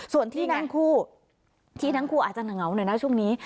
ส่วนที่นั่งคู่ที่ทั้งคู่อาจจะเหงาหน่อยนะช่วงนี้